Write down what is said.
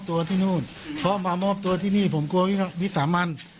ตัวที่นู่นเพราะมามอบตัวที่นี่ผมกลัววิสามัน